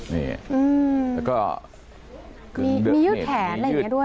มียืดแขนอะไรแบบนี้ด้วย